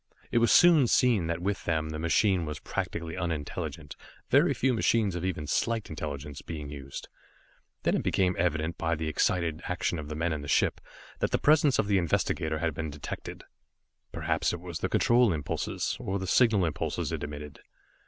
It was soon seen that with them the machine was practically unintelligent, very few machines of even slight intelligence being used. Then it became evident by the excited action of the men of the ship, that the presence of the investigator had been detected. Perhaps it was the control impulses, or the signal impulses it emitted.